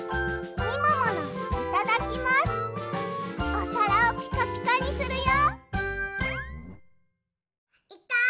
おさらをピカピカにするよ。